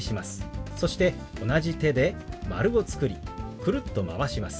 そして同じ手で丸を作りくるっとまわします。